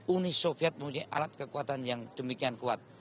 uni soviet memiliki alat kekuatan yang demikian kuat